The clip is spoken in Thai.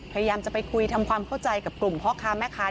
พยายามจะไปคุยทำความเข้าใจกับกลุ่มพ่อค้าแม่ค้า